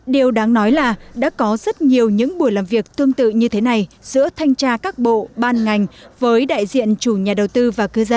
điều đáng nói là đã có rất nhiều những buổi làm việc tương tự như thế này giữa thanh tra các bộ ban ngành với đại diện chủ nhà đầu tư và cư dân